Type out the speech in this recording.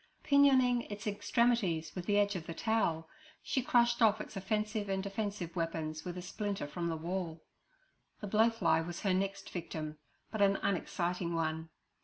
Pinioning its extremities with the edge of the towel, she crushed off its offensive and defensive weapons with a splinter from the wall. The blowfly was her next victim, but an unexciting one.